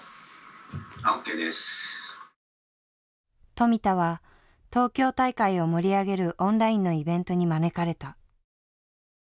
富田は東京大会を盛り上げるオンラインのイベントに招かれた。